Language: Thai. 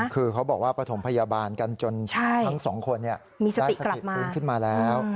คือเขาบอกว่าประถมพยาบาลกันจนทั้งสองคนได้สติฟื้นขึ้นมาแล้ว